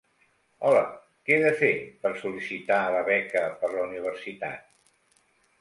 Hola, què he de fer per sol·licitar la beca per la universitat?